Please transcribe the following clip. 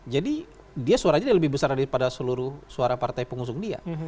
jadi dia suaranya lebih besar daripada seluruh suara partai pengusung dia